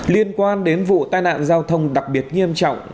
liên quan đến vụ tai nạn giao thông đặc biệt nghiêm trọng